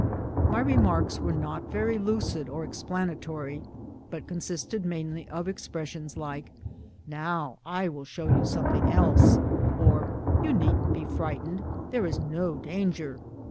My remarks were not very lucid or explanatory, but consisted mainly of expressions like " Now I will show you something else" or 'You needn't be frightened, there is no danger."